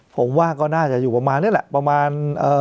ผมว่าก็น่าจะอยู่ประมาณนี้แหละประมาณ